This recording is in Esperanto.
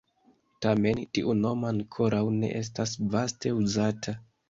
Tamen, tiu nomo ankoraŭ ne estas vaste uzata.